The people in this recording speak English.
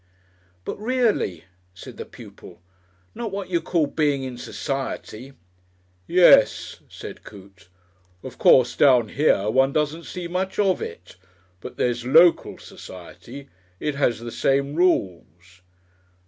"But reely," said the Pupil, "not what you call being in Society?" "Yes," said Coote. "Of course, down here one doesn't see much of it, but there's local society. It has the same rules."